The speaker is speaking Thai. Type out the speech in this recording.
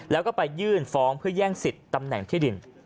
แล้วก็ไปยื่นฟ้องเพื่อแย่งสิทธิ์ตำแหน่งที่ดิน